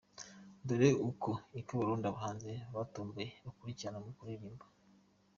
Dore uko i Kabarondo abahanzi batomboye gukurikirana mu kuririmba :.